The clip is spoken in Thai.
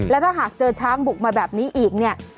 แล้วถ้าหากเจอช้างบุกมาแบบนี้อีกเนี่ย